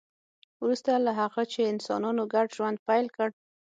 وروسته له هغه چې انسانانو ګډ ژوند پیل کړ